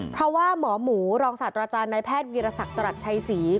เพราะว่าหมอหมูรองศาสตราจารย์นายแพทย์วีรศักดิ์จรัสชัยศรี